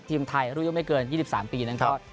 ทีมไทยรูปยุ่งไม่เกิน๒๓ปีนะครับ